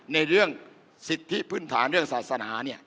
ในเรื่องสิทธิพื้นฐานเรื่องศาสนา